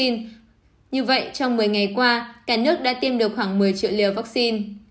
như vậy trong một mươi ngày qua cả nước đã tiêm được khoảng một mươi triệu liều vaccine